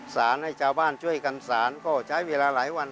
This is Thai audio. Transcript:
ให้ชาวบ้านช่วยกันสารก็ใช้เวลาหลายวัน